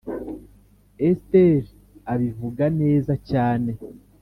esther abivuga neza cyane